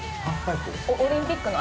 ◆オリンピックの。